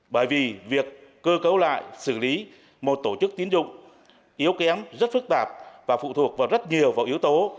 bởi vì việc cơ cấu lại xử lý một tổ chức tín dụng yếu kém rất phức tạp và phụ thuộc vào rất nhiều vào yếu tố